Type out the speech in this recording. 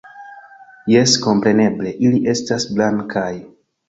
- Jes, kompreneble, ili estas blankaj...